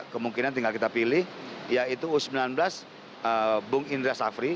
kemungkinan tinggal kita pilih yaitu u sembilan belas bung indra safri